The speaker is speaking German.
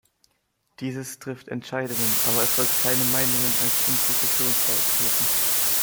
Dieses trifft Entscheidungen, aber es sollte keine Meinung als Institution vertreten.